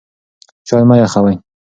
چای مه یخوئ.